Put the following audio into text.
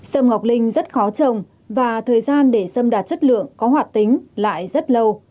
sâm ngọc linh rất khó trồng và thời gian để sâm đạt chất lượng có hoạt tính lại rất lâu